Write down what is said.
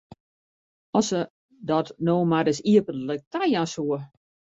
As se dat no mar ris iepentlik tajaan soe!